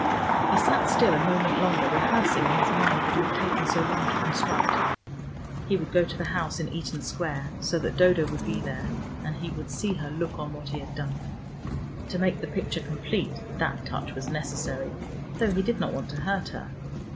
He sat still a moment longer, rehearsing in his mind what he had taken so long to construct. He would go to the house in Eaton Square, so that Dodo would be there, and he would see her look on what he had done. To make the picture complete that touch was necessary, though he did not want to hurt her.